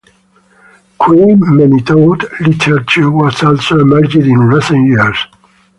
Queer Mennonite literature has also emerged in recent years.